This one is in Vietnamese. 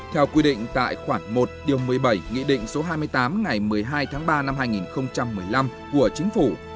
theo quy định tại khoản một điều một mươi bảy nghị định số hai mươi tám ngày một mươi hai tháng ba năm hai nghìn một mươi năm của chính phủ